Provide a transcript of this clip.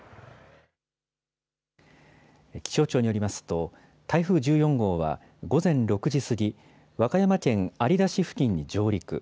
気象庁によりますと、台風１４号は午前６時過ぎ、和歌山県有田市付近に上陸。